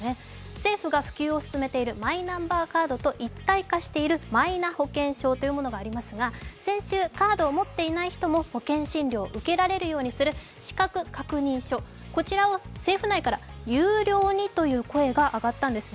政府が普及を進めているマイナンバーカードとマイナ保険証というものがありますが先週、カードを持っていない人も保険診療を受けられるようにする、資格確認書、こちらを政府内から有料にという声が上がったんですね。